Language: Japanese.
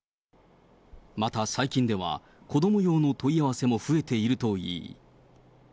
また最近では、子ども用の問い合わせも増えているといい。